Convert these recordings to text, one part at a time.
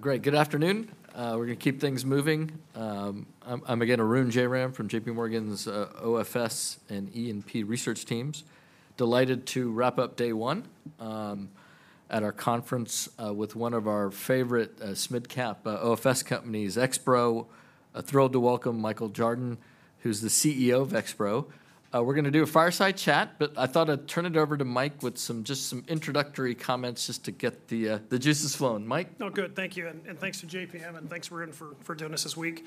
Great. Good afternoon. We're gonna keep things moving. I'm again, Arun Jayaram from JPMorgan's, OFS and E&P research teams. Delighted to wrap up day one at our conference with one of our favorite mid-cap OFS companies, Expro. Thrilled to welcome Michael Jardon, who's the CEO of Expro. We're gonna do a fireside chat, but I thought I'd turn it over to Mike with some, just some introductory comments, just to get the juices flowing. Mike? Oh, good. Thank you, and thanks to JPM, and thanks, Arun, for joining us this week.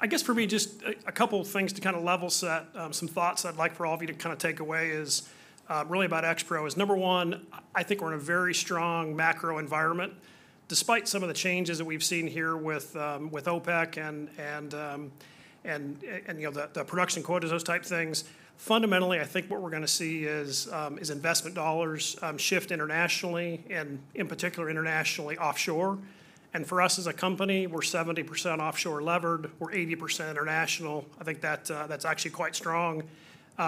I guess for me, just a couple things to kind of level set. Some thoughts I'd like for all of you to kind of take away is really about Expro is, number one, I think we're in a very strong macro environment, despite some of the changes that we've seen here with OPEC and you know, the production quotas, those type things. Fundamentally, I think what we're gonna see is investment dollars shift internationally and in particular, internationally offshore. And for us as a company, we're 70% offshore levered. We're 80% international. I think that that's actually quite strong.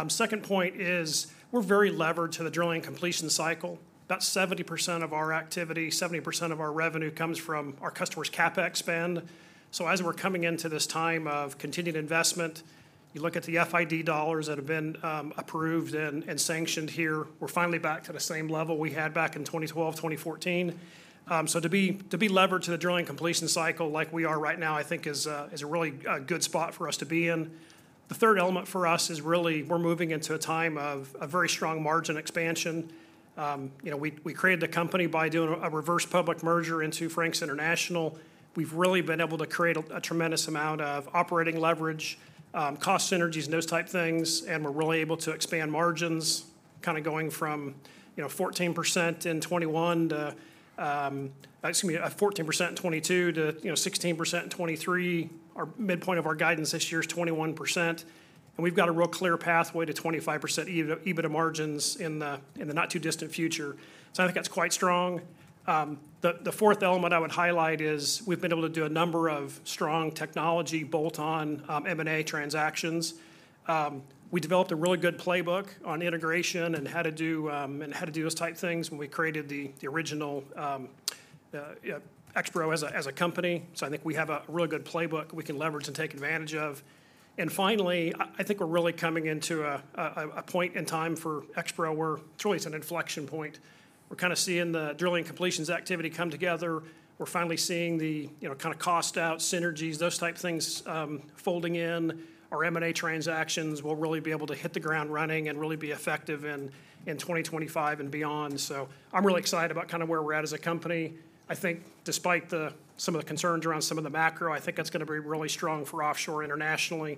Second point is, we're very levered to the drilling completion cycle. About 70% of our activity, 70% of our revenue comes from our customers' CapEx spend. So as we're coming into this time of continued investment, you look at the FID dollars that have been approved and sanctioned here, we're finally back to the same level we had back in 2012, 2014. So to be levered to the drilling completion cycle like we are right now, I think is a really good spot for us to be in. The third element for us is really we're moving into a time of a very strong margin expansion. You know, we created the company by doing a reverse public merger into Frank's International. We've really been able to create a tremendous amount of operating leverage, cost synergies, and those type things, and we're really able to expand margins, kind of going from, you know, 14% in 2021 to, Excuse me, 14% in 2022 to, you know, 16% in 2023. Our midpoint of our guidance this year is 21%, and we've got a real clear pathway to 25% EBITDA margins in the not-too-distant future. So I think that's quite strong. The fourth element I would highlight is we've been able to do a number of strong technology bolt-on M&A transactions. We developed a really good playbook on integration and how to do those type things when we created the original Expro as a company. So I think we have a really good playbook we can leverage and take advantage of. And finally, I think we're really coming into a point in time for Expro where it's really an inflection point. We're kind of seeing the drilling completions activity come together. We're finally seeing the, you know, kind of cost-out synergies, those type things, folding in. Our M&A transactions will really be able to hit the ground running and really be effective in 2025 and beyond. So I'm really excited about kind of where we're at as a company. I think despite some of the concerns around some of the macro, I think it's gonna be really strong for offshore internationally,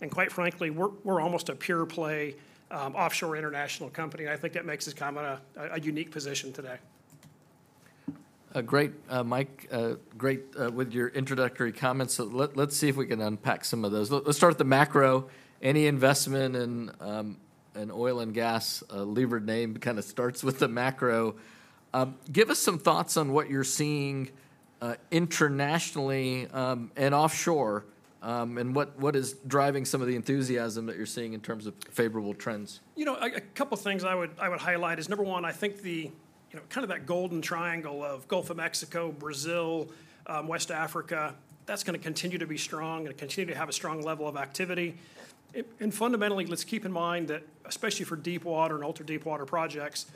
and quite frankly, we're almost a pure play offshore international company, and I think that makes us kind of a unique position today. Great, Mike. Great with your introductory comments. So let's see if we can unpack some of those. Let's start with the macro. Any investment in an oil and gas levered name kind of starts with the macro. Give us some thoughts on what you're seeing internationally and offshore, and what is driving some of the enthusiasm that you're seeing in terms of favorable trends? You know, a couple things I would, I would highlight is, number one, I think the, you know, kind of that Golden Triangle of Gulf of Mexico, Brazil, West Africa, that's gonna continue to be strong and continue to have a strong level of activity. And fundamentally, let's keep in mind that, especially for deep water and ultra-deep water projects,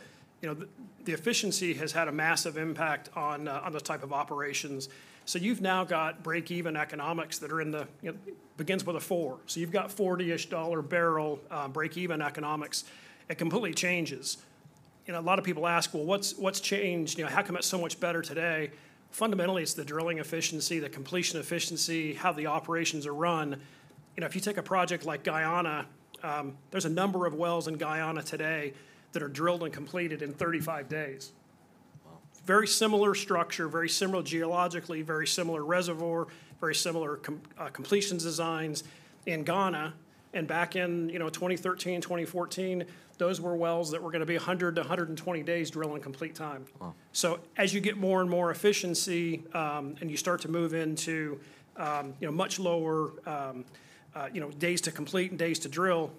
you know, the, the efficiency has had a massive impact on, on those type of operations. So you've now got break-even economics that are in the, you know, begins with a four. So you've got $40-ish barrel break-even economics. It completely changes. You know, a lot of people ask: Well, what's, what's changed? You know, how come it's so much better today? Fundamentally, it's the drilling efficiency, the completion efficiency, how the operations are run. You know, if you take a project like Guyana, there's a number of wells in Guyana today that are drilled and completed in 35 days. Very similar structure, very similar geologically, very similar reservoir, very similar completions designs. In Ghana and back in, you know, 2013, 2014, those were wells that were gonna be 100 days-120 days drill and complete time. So as you get more and more efficiency, and you start to move into, you know, much lower, you know, days to complete and days to drill,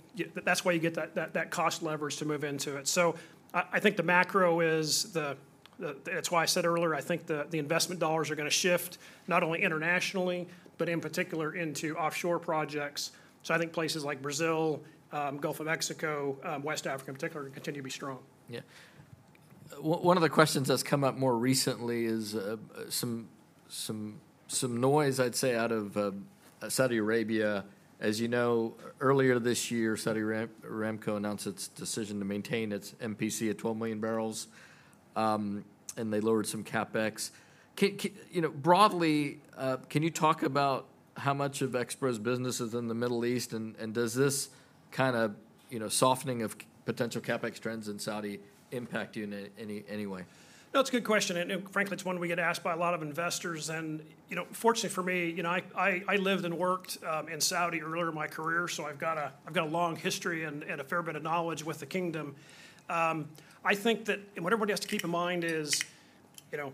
that's where you get that, that, that cost leverage to move into it. So I think the macro is the-- that's why I said earlier, I think the investment dollars are gonna shift not only internationally, but in particular into offshore projects. So I think places like Brazil, Gulf of Mexico, West Africa in particular, are gonna continue to be strong. Yeah. One of the questions that's come up more recently is some noise, I'd say, out of Saudi Arabia. As you know, earlier this year, Saudi Aramco announced its decision to maintain its MPC at 12 million barrels, and they lowered some CapEx. You know, broadly, can you talk about how much of Expro's business is in the Middle East, and does this kind of softening of potential CapEx trends in Saudi impact you in any way? No, it's a good question, and frankly, it's one we get asked by a lot of investors. You know, fortunately for me, you know, I lived and worked in Saudi earlier in my career, so I've got a long history and a fair bit of knowledge with the Kingdom. I think that what everybody has to keep in mind is, you know,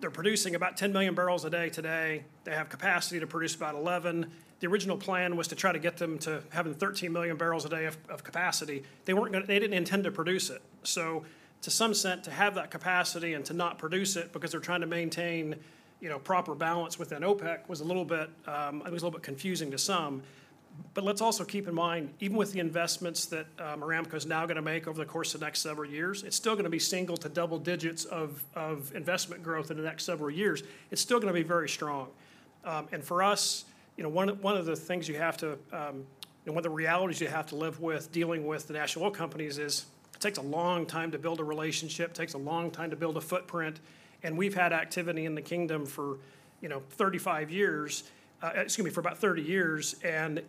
they're producing about 10 million barrels a day today. They have capacity to produce about 11. The original plan was to try to get them to having 13 million barrels a day of capacity. They weren't gonna they didn't intend to produce it. So to some extent, to have that capacity and to not produce it because they're trying to maintain, you know, proper balance within OpEx was a little bit, it was a little bit confusing to some. But let's also keep in mind, even with the investments that Aramco is now gonna make over the course of the next several years, it's still gonna be single to double-digit investment growth in the next several years. It's still gonna be very strong. And for us, you know, one of, one of the things you have to, and one of the realities you have to live with dealing with the national oil companies is, it takes a long time to build a relationship, takes a long time to build a footprint, and we've had activity in the kingdom for, you know, 35 years, excuse me, for about 30 years, and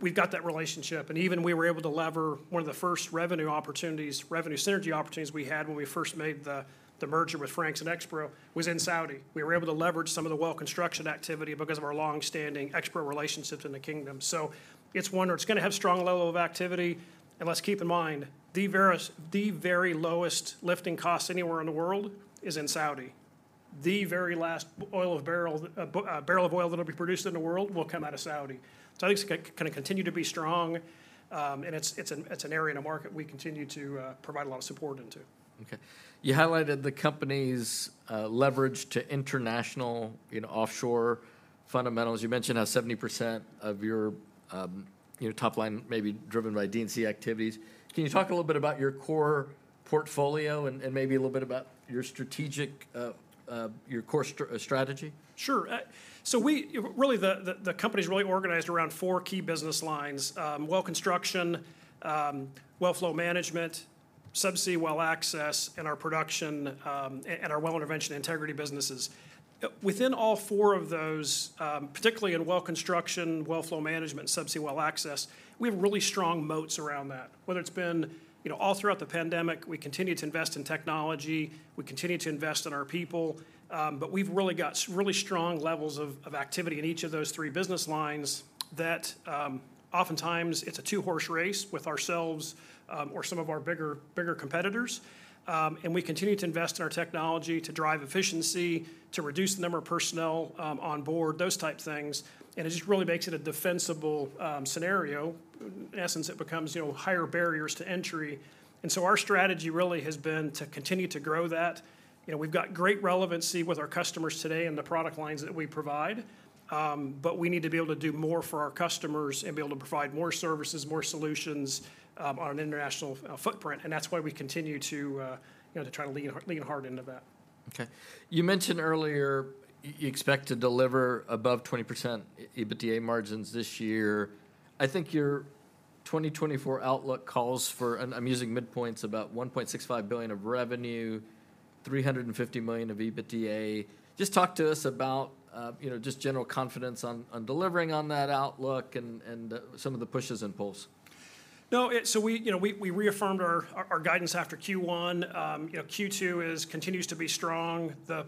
we've got that relationship. And even we were able to leverage one of the first revenue opportunities, revenue synergy opportunities we had when we first made the merger with Frank's and Expro, was in Saudi. We were able to leverage some of the well construction activity because of our long-standing expert relationships in the kingdom. So it's one where it's gonna have strong level of activity, and let's keep in mind, the very lowest lifting costs anywhere in the world is in Saudi. The very last barrel of oil that will be produced in the world will come out of Saudi. So I think it's gonna continue to be strong, and it's an area in the market we continue to provide a lot of support into. Okay. You highlighted the company's leverage to international, you know, offshore fundamentals. You mentioned how 70% of your, you know, top line may be driven by D and C activities. Can you talk a little bit about your core portfolio and maybe a little bit about your strategic, your core strategy? Sure. So really, the company is really organized around four key business lines: well construction, well flow management, subsea well access, and our production, and our well intervention integrity businesses. Within all four of those, particularly in well construction, well flow management, subsea well access, we have really strong moats around that. Whether it's been. You know, all throughout the pandemic, we continued to invest in technology, we continued to invest in our people, but we've really got really strong levels of activity in each of those three business lines that, oftentimes, it's a two-horse race with ourselves, or some of our bigger competitors. We continue to invest in our technology to drive efficiency, to reduce the number of personnel on board, those type things, and it just really makes it a defensible scenario. In essence, it becomes, you know, higher barriers to entry. And so our strategy really has been to continue to grow that. You know, we've got great relevancy with our customers today and the product lines that we provide, but we need to be able to do more for our customers and be able to provide more services, more solutions on an international footprint, and that's why we continue to, you know, to try to lean hard into that. Okay. You mentioned earlier you expect to deliver above 20% EBITDA margins this year. I think your 2024 outlook calls for, and I'm using midpoints, about $1.65 billion of revenue, $350 million of EBITDA. Just talk to us about, you know, just general confidence on, on delivering on that outlook and, and, some of the pushes and pulls. No, it so we, you know, we reaffirmed our guidance after Q1. You know, Q2 is continues to be strong. The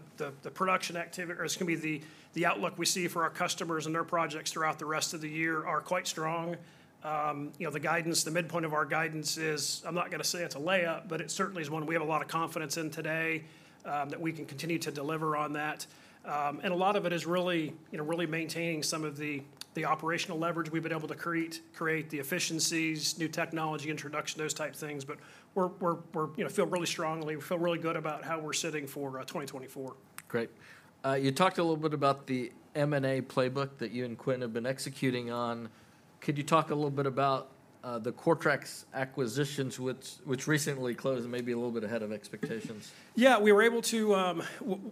production activity, or excuse me, the outlook we see for our customers and their projects throughout the rest of the year are quite strong. You know, the guidance, the midpoint of our guidance is, I'm not gonna say it's a layup, but it certainly is one we have a lot of confidence in today, that we can continue to deliver on that. And a lot of it is really, you know, really maintaining some of the operational leverage we've been able to create, the efficiencies, new technology introduction, those type of things. But we're, you know, feel really strongly, we feel really good about how we're sitting for 2024. Great. You talked a little bit about the M&A playbook that you and Quinn have been executing on. Could you talk a little bit about the Coretrax acquisitions, which recently closed, maybe a little bit ahead of expectations? Yeah, we were able to.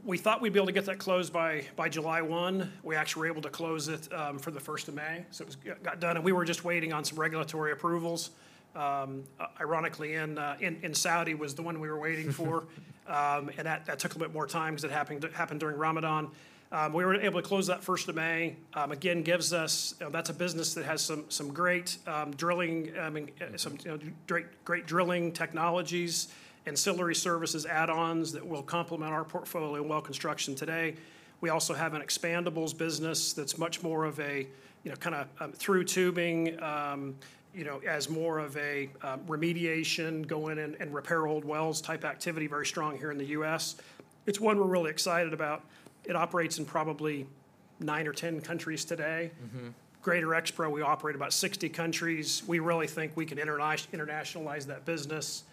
We thought we'd be able to get that closed by July 1. We actually were able to close it for May 1. So it got done, and we were just waiting on some regulatory approvals. Ironically, in Saudi, was the one we were waiting for. And that took a bit more time because it happened during Ramadan. We were able to close that May 1. Again, gives us. That's a business that has some great drilling, I mean, some, you know, great, great drilling technologies, ancillary services, add ons that will complement our portfolio in well construction today. We also have an Expandables business that's much more of a, you know, kinda, through tubing, you know, as more of a, remediation, go in and, and repair old wells type activity, very strong here in the U.S. It's one we're really excited about. It operates in probably nine or 10 countries today. Expro, we operate about 60 countries. We really think we can internationalize that business.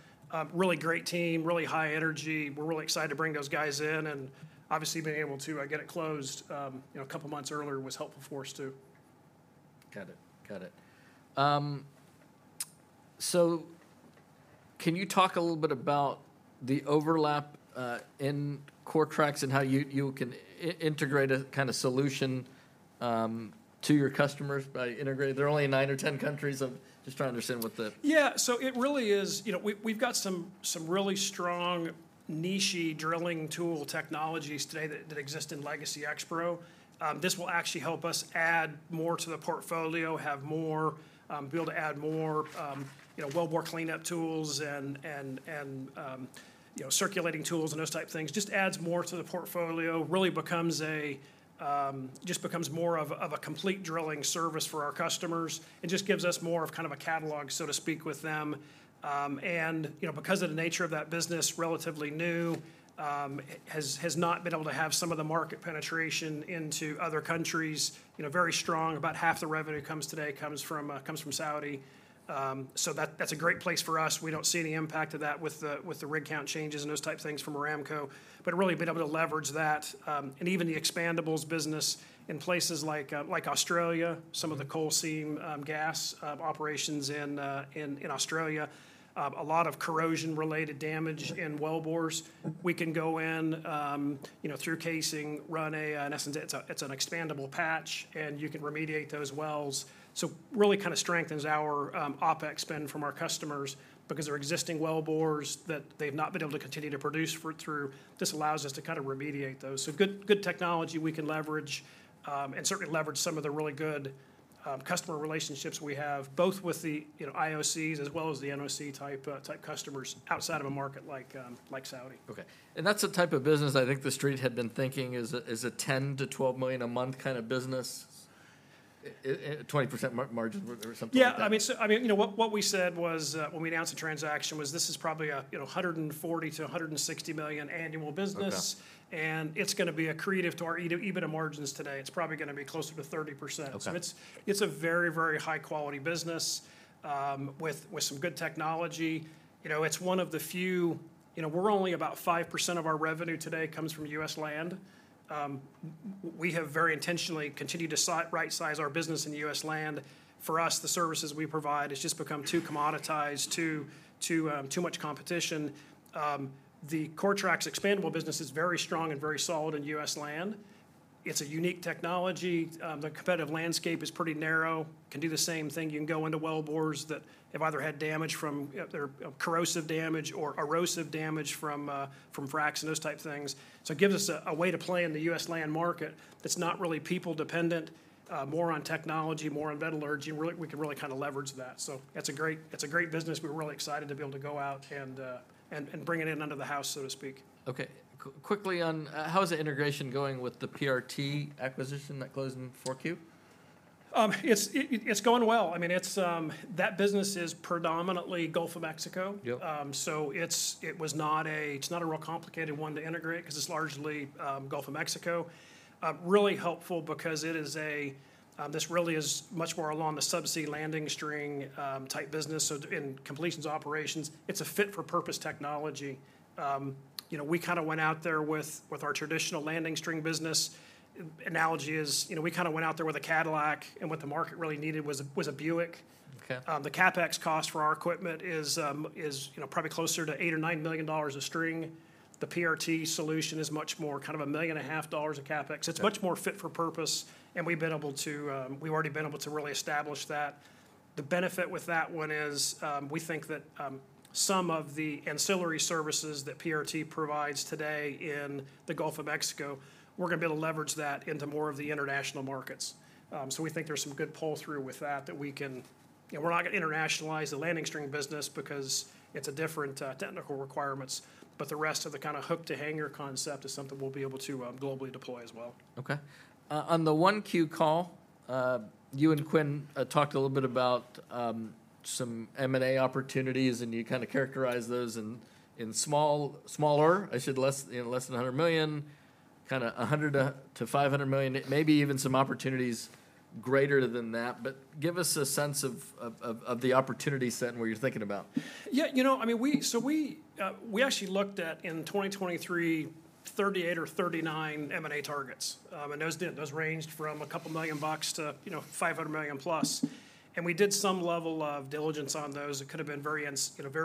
Really great team, really high energy. We're really excited to bring those guys in, and obviously, being able to get it closed, you know, a couple of months earlier was helpful for us, too. Got it. Got it. So can you talk a little bit about the overlap in Coretrax and how you can integrate a kinda solution to your customers by integrating? They're only in 9 or 10 countries. I'm just trying to understand what the- Yeah. So it really is... You know, we've got some really strong, niche-y drilling tool technologies today that exist in Legacy Expro. This will actually help us add more to the portfolio, have more, be able to add more, you know, wellbore cleanup tools and circulating tools and those type of things. Just adds more to the portfolio. Really becomes a, just becomes more of a complete drilling service for our customers, and just gives us more of a catalog, so to speak, with them. And, you know, because of the nature of that business, relatively new, it has not been able to have some of the market penetration into other countries. You know, very strong, about half the revenue comes today from Saudi. So that, that's a great place for us. We don't see any impact of that with the rig count changes and those type of things from Aramco, but really being able to leverage that. And even the expandables business in places like Australia, some of the coal seam gas operations in Australia, a lot of corrosion-related damage in wellbores. We can go in, you know, through casing, run a, in essence, it's a, it's an expandable patch, and you can remediate those wells. So really kind of strengthens our, OpEx spend from our customers because their existing wellbores that they've not been able to continue to produce for through, this allows us to kind of remediate those. So good, good technology we can leverage, and certainly leverage some of the really good, customer relationships we have, both with the, you know, IOCs as well as the NOC type, type customers outside of a market like, like Saudi. Okay. And that's the type of business I think the street had been thinking is a $10 million-$12 million a month kind of business? 20% margin or something like that? Yeah, I mean, so, I mean, you know, what we said was, when we announced the transaction, was this is probably a, you know, $140 million-$160 million annual business. Okay. It's gonna be accretive to our EBITDA margins today. It's probably gonna be closer to 30%. Okay. So it's a very, very high-quality business with some good technology. You know, it's one of the few you know, we're only about 5% of our revenue today comes from U.S. land. We have very intentionally continued to rightsize our business in U.S. land. For us, the services we provide, it's just become too commoditized, too much competition. The Coretrax expandable business is very strong and very solid in U.S. land. It's a unique technology. The competitive landscape is pretty narrow, can do the same thing. You can go into wellbores that have either had damage from their corrosive damage or erosive damage from fracs and those type of things. So it gives us a way to play in the U.S. land market that's not really people-dependent, more on technology, more on metallurgy, and really, we can really kinda leverage that. So it's a great, it's a great business. We're really excited to be able to go out and bring it in under the house, so to speak. Okay. Quickly on, how is the integration going with the PRT acquisition that closed in Q4? It's going well. I mean, it's... That business is predominantly Gulf of Mexico. So it's not a real complicated one to integrate because it's largely Gulf of Mexico. Really helpful because it is, this really is much more along the subsea landing string type business, so in completions operations, it's a fit-for-purpose technology. You know, we kinda went out there with our traditional landing string business. Analogy is, you know, we kinda went out there with a Cadillac, and what the market really needed was a Buick. Okay. The CapEx cost for our equipment is, you know, probably closer to $8 million-$9 million a string. The PRT solution is much more, kind of $1.5 million of CapEx. Okay. It's much more fit for purpose, and we've been able to, we've already been able to really establish that. The benefit with that one is, we think that, some of the ancillary services that PRT provides today in the Gulf of Mexico, we're gonna be able to leverage that into more of the international markets. So we think there's some good pull-through with that, that we can. You know, we're not gonna internationalize the landing string business because it's a different, technical requirements, but the rest of the kinda Hook-to-Hanger concept is something we'll be able to, globally deploy as well. Okay. On the 1Q call, you and Quinn talked a little bit about some M&A opportunities, and you kinda characterized those in smaller, less, you know, less than $100 million, kinda $100 million-$500 million, maybe even some opportunities greater than that. But give us a sense of the opportunity set and what you're thinking about. Yeah, you know, I mean, we actually looked at, in 2023, 38 or 39 M&A targets. And those ranged from a couple million bucks to, you know, $500 million plus. And we did some level of diligence on those. It could have been very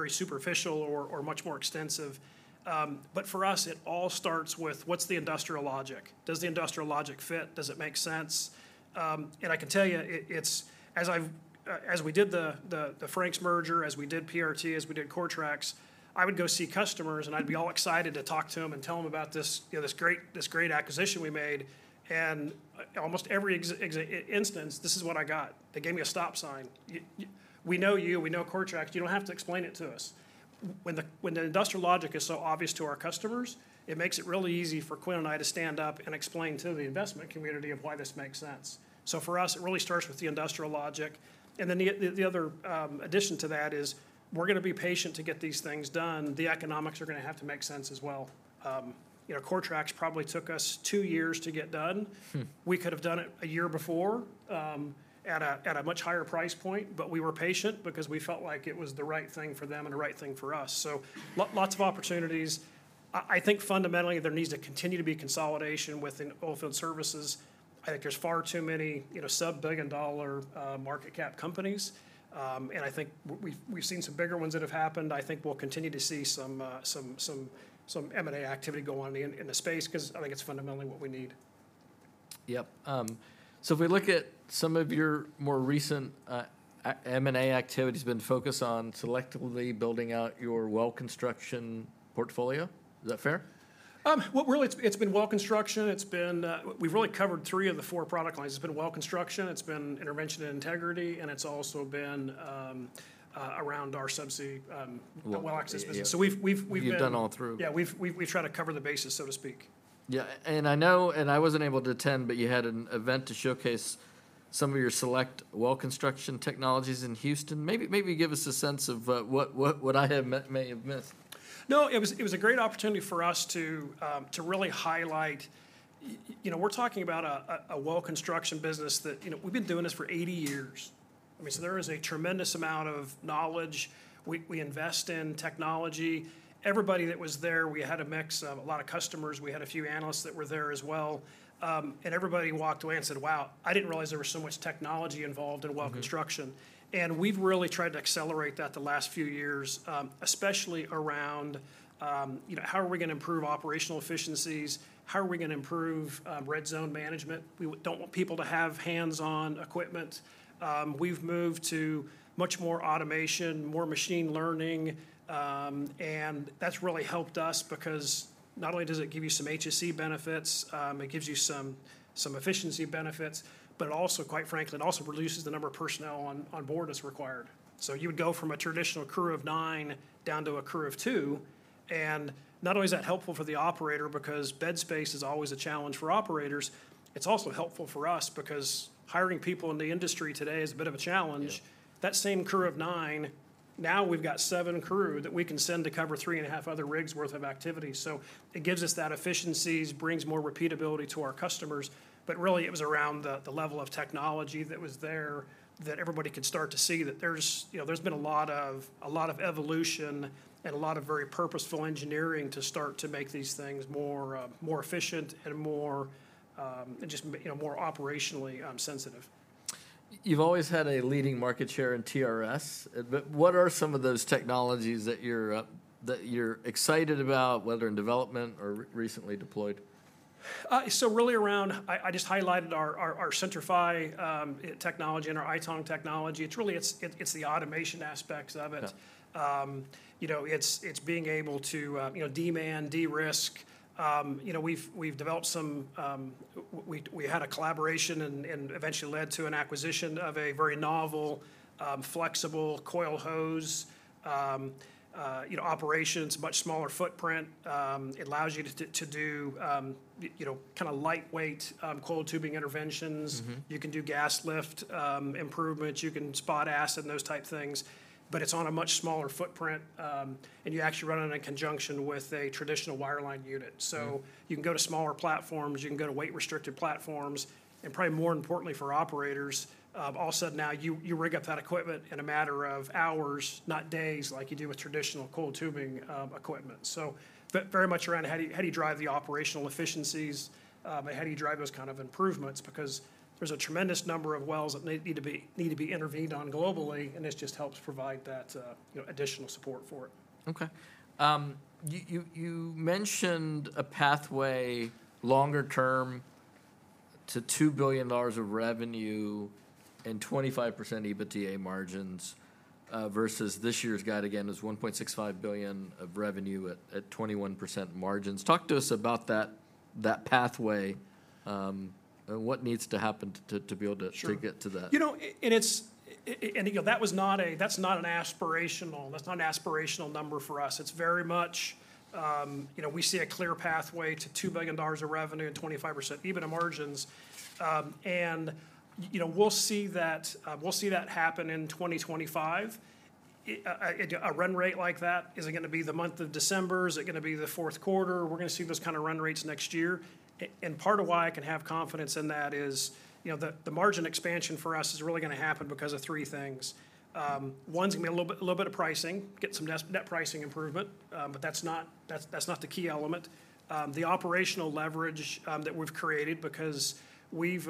superficial or much more extensive. But for us, it all starts with: What's the industrial logic? Does the industrial logic fit? Does it make sense? And I can tell you, it's as I've as we did the Frank's merger, as we did PRT, as we did Coretrax, I would go see customers, and I'd be all excited to talk to them and tell them about this, you know, this great, this great acquisition we made, and almost every instance, this is what I got. They gave me a stop sign. "We know you. We know Coretrax. You don't have to explain it to us." When the industrial logic is so obvious to our customers, it makes it really easy for Quinn and I to stand up and explain to the investment community why this makes sense. So for us, it really starts with the industrial logic, and then the other addition to that is, we're gonna be patient to get these things done. The economics are gonna have to make sense as well. You know, Coretrax probably took us two years to get done. We could have done it a year before, at a much higher price point, but we were patient because we felt like it was the right thing for them and the right thing for us. So lots of opportunities. I think fundamentally there needs to continue to be consolidation within oilfield services. I think there's far too many, you know, sub-billion dollar market cap companies, and I think we've seen some bigger ones that have happened. I think we'll continue to see some M&A activity go on in the space 'cause I think it's fundamentally what we need. Yep. So if we look at some of your more recent M&A activity has been focused on selectively building out your well construction portfolio. Is that fair? Well, really it's been well construction. We've really covered three of the four product lines. It's been well construction, it's been intervention and integrity, and it's also been around our subsea, the well access business. So we've been- You've done all through. Yeah, we've tried to cover the bases, so to speak. Yeah, and I know, and I wasn't able to attend, but you had an event to showcase some of your select well construction technologies in Houston. Maybe give us a sense of what I may have missed. No, it was, it was a great opportunity for us to really highlight. You know, we're talking about a well construction business that, you know, we've been doing this for 80 years. I mean, so there is a tremendous amount of knowledge. We invest in technology. Everybody that was there, we had a mix of a lot of customers, we had a few analysts that were there as well, and everybody walked away and said, "Wow, I didn't realize there was so much technology involved in well construction." We've really tried to accelerate that the last few years, especially around, you know, how are we gonna improve operational efficiencies? How are we gonna improve red zone management? We don't want people to have hands-on equipment. We've moved to much more automation, more machine learning, and that's really helped us because not only does it give you some HSE benefits, it gives you some efficiency benefits, but it also, quite frankly, reduces the number of personnel on board that's required. So you would go from a traditional crew of nine down to a crew of two, and not only is that helpful for the operator because bed space is always a challenge for operators, it's also helpful for us because hiring people in the industry today is a bit of a challenge. That same crew of nine. Now we've got seven crew that we can send to cover 3.5 other rigs worth of activity. So it gives us that efficiencies, brings more repeatability to our customers. But really, it was around the level of technology that was there that everybody could start to see that there's, you know, there's been a lot of, a lot of evolution and a lot of very purposeful engineering to start to make these things more efficient and more, and just, you know, more operationally sensitive. You've always had a leading market share in TRS. But what are some of those technologies that you're excited about, whether in development or recently deployed? So really around—I just highlighted our CENTRI-FI technology and our iTONG technology. It's really the automation aspects of it. You know, it's being able to, you know, demand, de-risk. You know, we've developed some. We had a collaboration and eventually led to an acquisition of a very novel, flexible coil hose. You know, operations, much smaller footprint. It allows you to do, you know, kinda lightweight, coiled tubing interventions. You can do gas lift improvements, you can spot acid, and those type things, but it's on a much smaller footprint, and you actually run it in conjunction with a traditional wireline unit. So you can go to smaller platforms, you can go to weight-restricted platforms, and probably more importantly for operators, all of a sudden now, you rig up that equipment in a matter of hours, not days, like you do with traditional coiled tubing equipment. So very much around how do you drive the operational efficiencies, how do you drive those kind of improvements? Because there's a tremendous number of wells that need to be intervened on globally, and this just helps provide that, you know, additional support for it. Okay. You mentioned a pathway, longer term, to $2 billion of revenue and 25% EBITDA margins, versus this year's guide, again, is $1.65 billion of revenue at 21% margins. Talk to us about that pathway, and what needs to happen to be able to- Sure... to get to that. You know, and it's, you know, that was not a that's not an aspirational, that's not an aspirational number for us. It's very much, you know, we see a clear pathway to $2 billion of revenue and 25% EBITDA margins. And, you know, we'll see that, we'll see that happen in 2025. A run rate like that, is it gonna be the month of December? Is it gonna be the fourth quarter? We're gonna see those kind of run rates next year. And part of why I can have confidence in that is, you know, the, the margin expansion for us is really gonna happen because of three things: One's gonna be a little bit, little bit of pricing, get some net pricing improvement, but that's not, that's, that's not the key element. The operational leverage that we've created because we've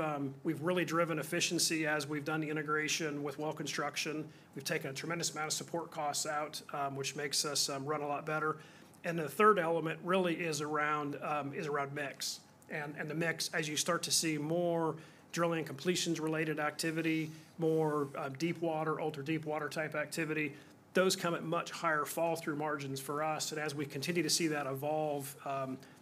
really driven efficiency as we've done the integration with well construction. We've taken a tremendous amount of support costs out, which makes us run a lot better. And the third element really is around mix. And the mix, as you start to see more drilling and completions-related activity, more deep water, ultra-deep water type activity, those come at much higher flow-through margins for us. And as we continue to see that evolve,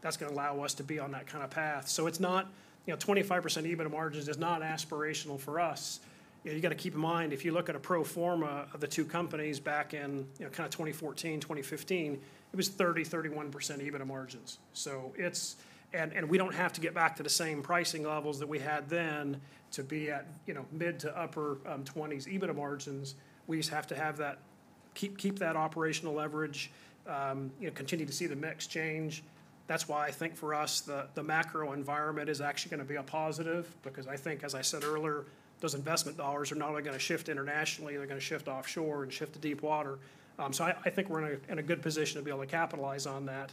that's gonna allow us to be on that kinda path. So it's not you know, 25% EBITDA margins is not aspirational for us. You know, you gotta keep in mind, if you look at a pro forma of the two companies back in, you know, kinda 2014, 2015, it was 30%-31% EBITDA margins. So it's and we don't have to get back to the same pricing levels that we had then to be at, you know, mid- to upper-20s EBITDA margins. We just have to have that, keep that operational leverage, you know, continue to see the mix change. That's why I think, for us, the macro environment is actually gonna be a positive because I think, as I said earlier, those investment dollars are not only gonna shift internationally, they're gonna shift offshore and shift to deep water. So I think we're in a good position to be able to capitalize on that,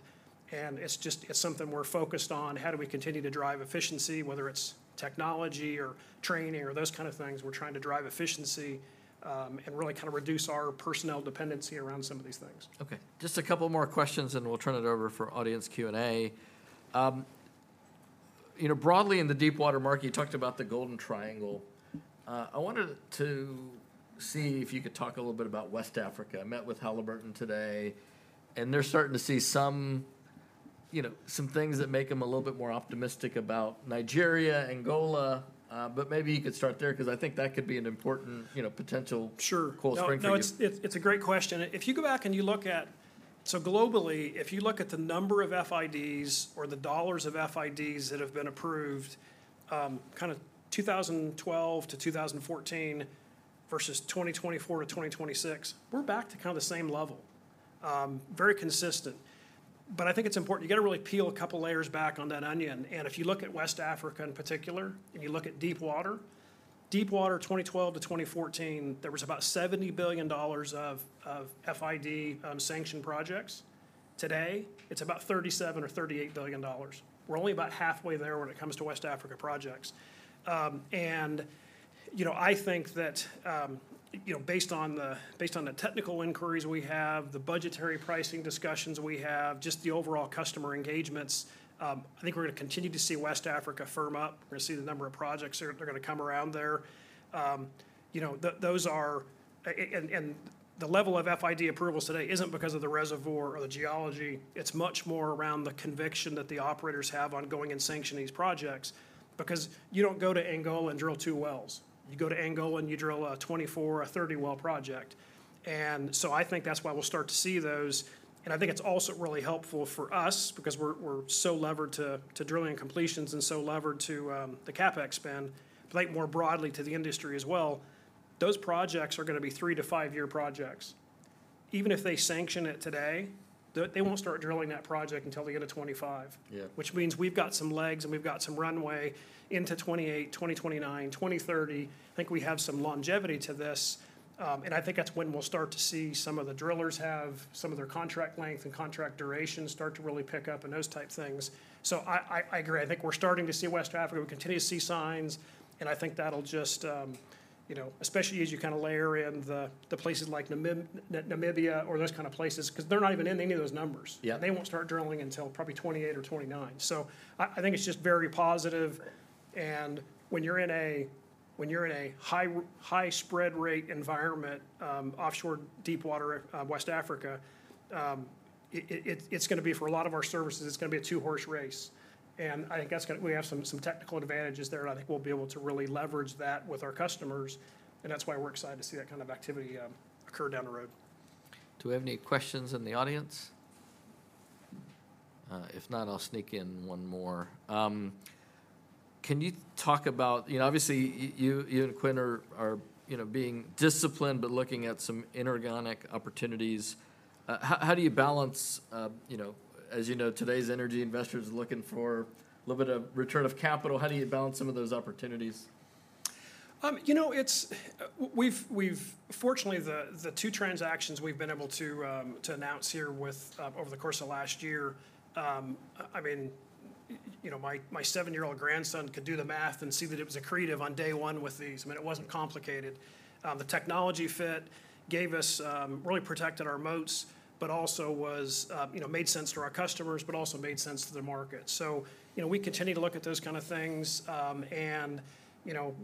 and it's just - it's something we're focused on. How do we continue to drive efficiency, whether it's technology or training or those kind of things? We're trying to drive efficiency, and really kinda reduce our personnel dependency around some of these things. Okay. Just a couple more questions, and we'll turn it over for audience Q&A. You know, broadly in the deepwater market, you talked about the Golden Triangle. I wanted to see if you could talk a little bit about West Africa. I met with Halliburton today, and they're starting to see some, you know, some things that make them a little bit more optimistic about Nigeria, Angola, but maybe you could start there 'cause I think that could be an important, you know, potential- Sure... cool spring for you. No, no, it's, it's a great question. If you go back and you look at. So globally, if you look at the number of FIDs or the dollars of FIDs that have been approved, kinda 2012-2014 versus 2024-2026, we're back to kinda the same level, very consistent. But I think it's important, you gotta really peel a couple layers back on that onion. And if you look at West Africa in particular, and you look at deep water, deep water, 2012-2014, there was about $70 billion of FID sanctioned projects. Today, it's about $37 billion or $38 billion. We're only about halfway there when it comes to West Africa projects. You know, I think that, you know, based on the, based on the technical inquiries we have, the budgetary pricing discussions we have, just the overall customer engagements, I think we're gonna continue to see West Africa firm up. We're gonna see the number of projects that are gonna come around there. You know, those are... and the level of FID approvals today isn't because of the reservoir or the geology. It's much more around the conviction that the operators have on going and sanctioning these projects, because you don't go to Angola and drill two wells. You go to Angola, and you drill a 24, a 30-well project. So I think that's why we'll start to see those, and I think it's also really helpful for us because we're so levered to drilling and completions and so levered to the CapEx spend, but like more broadly to the industry as well. Those projects are gonna be three to five year projects, even if they sanction it today, they won't start drilling that project until they get to 2025. Which means we've got some legs, and we've got some runway into 2028, 2029, 2030. I think we have some longevity to this, and I think that's when we'll start to see some of the drillers have some of their contract length and contract duration start to really pick up and those type things. So I agree. I think we're starting to see West Africa. We continue to see signs, and I think that'll just, you know, especially as you kinda layer in the, the places like Namibia or those kind of places, 'cause they're not even in any of those numbers. They won't start drilling until probably 2028 or 2029. So I think it's just very positive, and when you're in a high spread rate environment, offshore deepwater, West Africa, it's gonna be for a lot of our services, it's gonna be a two-horse race. And I think that's gonna we have some technical advantages there, and I think we'll be able to really leverage that with our customers, and that's why we're excited to see that kind of activity occur down the road. Do we have any questions in the audience? If not, I'll sneak in one more. Can you talk about... You know, obviously, you and Quinn are, you know, being disciplined but looking at some inorganic opportunities. How do you balance, you know... As you know, today's energy investors are looking for a little bit of return of capital. How do you balance some of those opportunities? You know, it's fortunately the two transactions we've been able to announce here with over the course of last year. I mean, you know, my seven-year-old grandson could do the math and see that it was accretive on day one with these. I mean, it wasn't complicated. The technology fit gave us really protected our moats, but also was, you know, made sense to our customers, but also made sense to the market. So, you know, we continue to look at those kind of things. And, you know,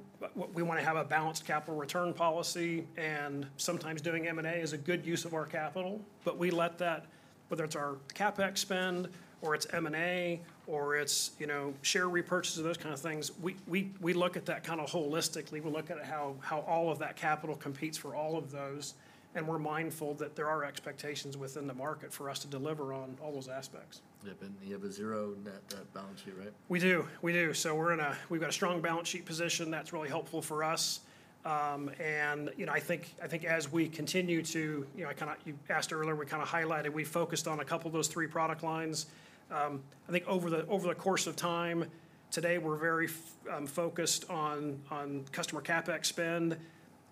we wanna have a balanced capital return policy, and sometimes doing M&A is a good use of our capital, but we let that, whether it's our CapEx spend or it's M&A or it's, you know, share repurchases, those kind of things, we, we, we look at that kinda holistically. We look at how all of that capital competes for all of those, and we're mindful that there are expectations within the market for us to deliver on all those aspects. Yeah, and you have a zero net balance sheet, right? We do, we do. So we're in a—we've got a strong balance sheet position. That's really helpful for us. And, you know, I think as we continue to... You know, I kinda—you asked earlier, we kinda highlighted, we focused on a couple of those three product lines. I think over the course of time, today we're very focused on customer CapEx spend.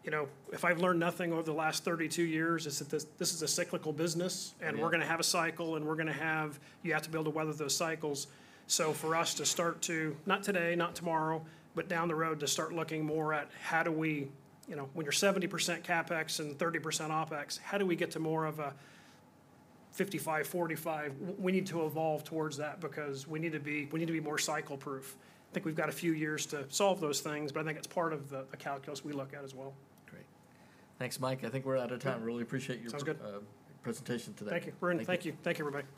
You know, if I've learned nothing over the last 32 years, it's that this, this is a cyclical business and we're gonna have a cycle, and we're gonna have—you have to be able to weather those cycles. So for us to start to, not today, not tomorrow, but down the road, to start looking more at how do we... You know, when you're 70% CapEx and 30% OpEx, how do we get to more of a 55-45? We need to evolve towards that because we need to be, we need to be more cycle-proof. I think we've got a few years to solve those things, but I think it's part of the, the calculus we look at as well. Great. Thanks, Mike. I think we're out of time. Really appreciate your- Sounds good... presentation today. Thank you, Arun. Thank you. Thank you. Thank you, everybody.